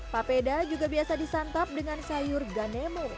papeda juga biasa disantap dengan sayur ganemo